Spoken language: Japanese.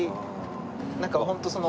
なんかホントその。